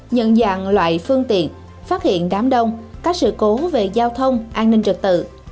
nhận dạng loại phương tiện phát hiện đám đông các sự cố về giao thông an ninh trật tự